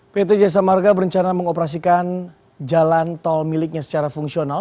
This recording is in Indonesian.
pt jasa marga berencana mengoperasikan jalan tol miliknya secara fungsional